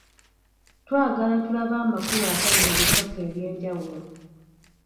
Twagala tulabe amakulu agali mu bisoko eby’enjawulo.